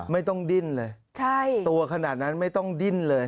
ไม่ต้องดิ้นเลยตัวขนาดนั้นไม่ต้องดิ้นเลย